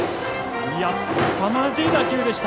すさまじい打球でした。